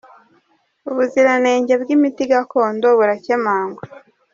Ubuziranenge bw’imiti gakondo burakemangwa